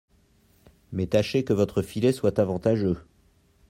Mais tâchez que votre filet soit avantageux.